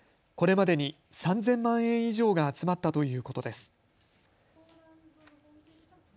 これまでに３０００万円以上が集まったということです。